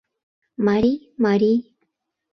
— Марий, марий!